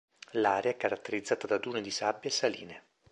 L'area è caratterizzata da dune di sabbia e saline.